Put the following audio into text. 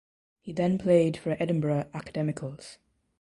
He then played for Edinburgh Academicals.